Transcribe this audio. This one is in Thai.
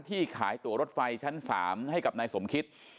ที่ขายตัวรถไฟชั้น๓ให้กับนายสมคิต